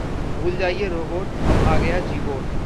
भूल जाइए रोबोट, अब आ गया जीबोट